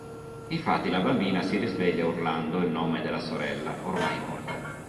Infatti la bambina si risveglia urlando il nome della sorella, ormai morta.